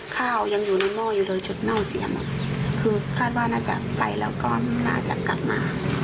ข้าวยังอยู่ในหม้ออยู่เลยจุดเน่าเสียหมดคือคาดว่าน่าจะไปแล้วก็น่าจะกลับมา